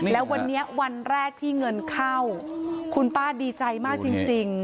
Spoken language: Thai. แล้ววันนี้วันแรกที่เงินเข้าคุณป้าดีใจมากจริง